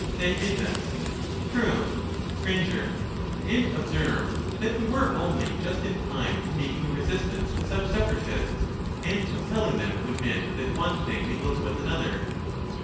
TheaeU True. Sir, And, observe that we were only just in time in making a resistance to such separatists, and compelling them to admit that one thing mingles with another.